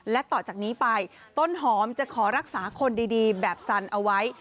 และต่อจากนี้ไปต้นหอมจะขอรักษาคนดีแบบสันเอาไว้